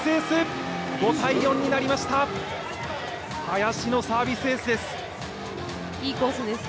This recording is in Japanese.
林のサービスエースです。